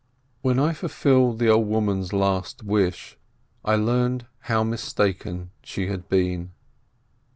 When I fulfilled the old woman's last wish, I learned how mistaken she had been.